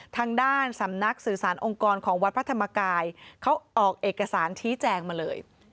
ทางด้านสำนักสื่อสารองค์กรของวัดพระธรรมกายเขาออกเอกสารชี้แจงมาเลย